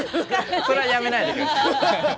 それはやめないでください。